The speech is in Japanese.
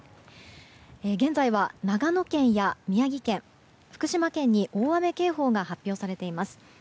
現在は長野県や宮城県、福島県に大雨警報が発表されています。